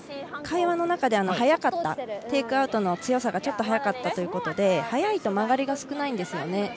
会話の中でテイクアウトの強さがちょっと速かったということで速いと曲がりが少ないんですよね。